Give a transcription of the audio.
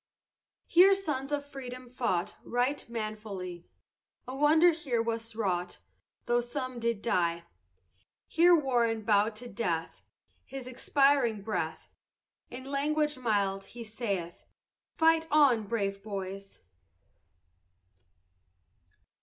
Here sons of freedom fought Right manfully, A wonder here was wrought Though some did die. Here WARREN bow'd to death, His last expiring breath, In language mild he saith, Fight on, brave boys.